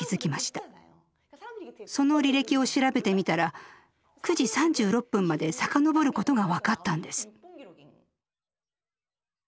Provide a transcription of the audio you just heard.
その履歴を調べてみたら９時３６分まで遡ることが分かったんです。